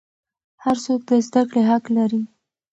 هر څوک د زده کړې حق لري.